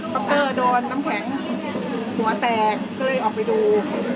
ปเตอร์โดนน้ำแข็งหัวแตกก็เลยออกไปดู